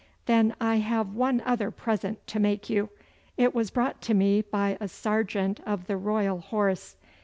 'Then I have one other present to make you. It was brought to me by a sergeant of the Royal Horse.